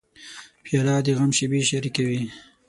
پیاله د غم شېبې شریکوي.